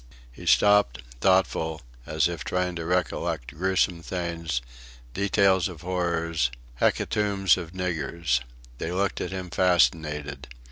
He stopped, thoughtful, as if trying to recollect gruesome things, details of horrors, hecatombs of niggers. They looked at him fascinated.